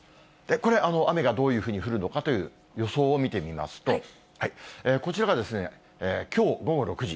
これ、雨がどういうふうに降るのかという予想を見てみますと、こちらがきょう午後６時。